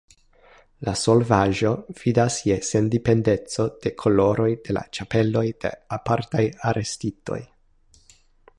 La solvaĵo fidas je sendependeco de koloroj de la ĉapeloj de apartaj arestitoj.